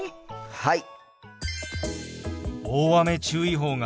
はい！